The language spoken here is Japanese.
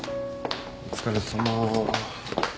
お疲れさま。